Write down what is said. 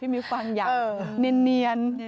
พี่มิวฟังอยากเนียน